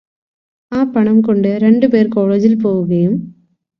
ആ പണംകൊണ്ട് രണ്ടുപേർ കോളേജിൽ പോവുകയും